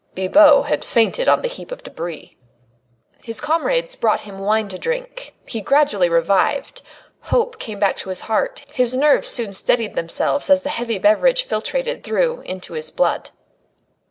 Bibot had fainted on the heap of debris. His comrades brought him wine to drink. He gradually revived. Hope came back to his heart; his nerves soon steadied themselves as the heavy beverage filtrated through into his blood.